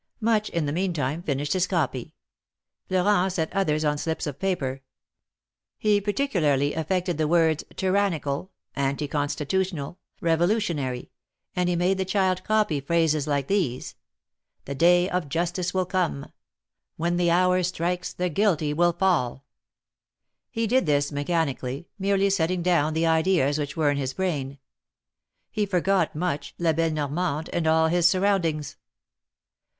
Much in the meantime finished his copy. Florent set others on slips of paper. He particularly affected the words, '^Tyrannical, anti Constitutional, Revolutionary,^' and he made the child copy phrases like these : "The day of justice will come." " When the hour strikes, the guilty will fall." He did this mechanically, merely setting down the ideas which were in his brain. He forgot Much, La belle Normande and all his surroundings.